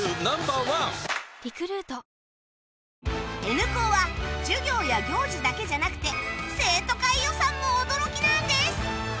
Ｎ 高は授業や行事だけじゃなくて生徒会予算も驚きなんです！